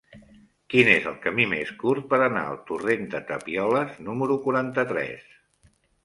Quin és el camí més curt per anar al torrent de Tapioles número quaranta-tres?